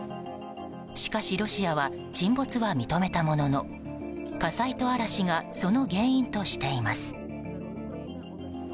しかしロシアは沈没は認めたものの火災と嵐がその原因としています。